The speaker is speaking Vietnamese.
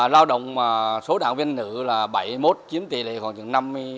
lao động số đảng viên nữ là bảy mươi một kiếm tỷ lệ khoảng năm mươi năm